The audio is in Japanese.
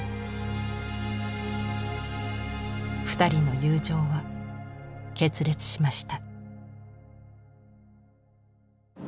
２人の友情は決裂しました。